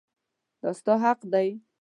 دا ستا حق دی.